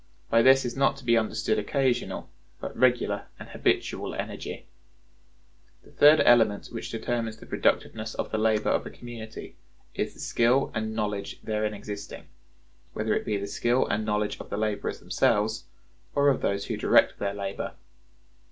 By this is not to be understood occasional, but regular and habitual energy. The third element which determines the productiveness of the labor of a community is the skill and knowledge therein existing, whether it be the skill and knowledge of the laborers themselves or of those who direct their labor.